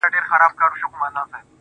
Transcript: دوى خو، له غمه څه خوندونه اخلي.